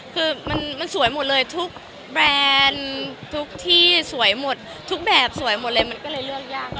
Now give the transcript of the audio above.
คือมันสวยหมดเลยทุกแบบสวยหมดเลยมันก็เลยเลือกยากหน่อย